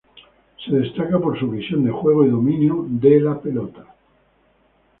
Se destaca por su visión de juego y dominio de pelota.